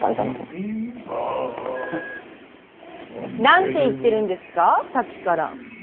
何て言ってるんですかさっきから。